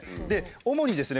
主にですね